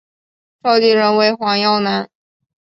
召集人为黄耀南。